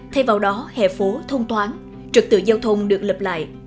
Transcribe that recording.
thay vào đó hệ phố thông toán trực tựa giao thông được lập lại